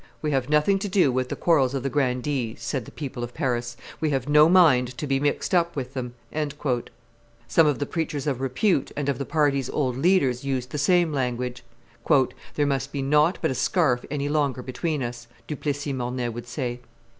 "We have nothing to do with the quarrels of the grandees," said the people of Paris; "we have no mind to be mixed up with them." Some of the preachers of repute and of the party's old leaders used the same language. "There must be nought but a scarf any longer between us," Du Plessis Mornay would say.